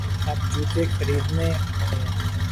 اب جوتے خریدنے ہوں۔